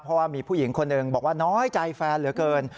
เพราะว่ามีผู้หญิงคนหนึ่งบอกว่าน้อยใจแฟนเหลือเกิน